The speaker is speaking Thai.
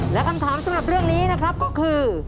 และคำถามสำหรับเรื่องนี้นะครับก็คือ